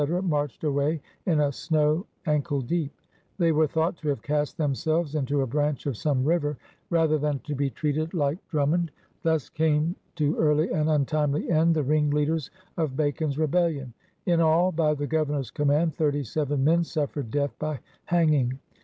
marched away in a snow ankle deep. They " were thought to have cast themselves into a branch of some river, rather than to be treated like Drum mond.'* Thus came to early and untimely end the ringleaders of Bacon's Rebellion. Li all, by the Governor's command, thirty seven men suf fered death by hanging.